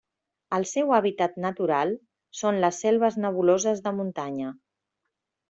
El seu hàbitat natural són les selves nebuloses de muntanya.